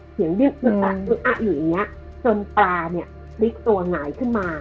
เสียงดิ้นอ่ะอยู่อย่างเงี้ยจนปลาเนี้ยลิกตัวไหนขึ้นมา